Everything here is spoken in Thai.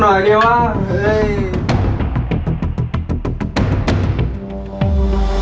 มันต้องกลับมาที่นี่